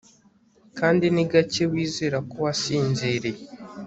Kandi ni gake wizera ko wasinziriye